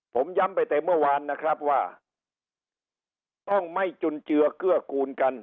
ผมย้ำไปแต่เมื่อวานนะครับว่าต้องไม่จุนเจือเกื้อกูลกัน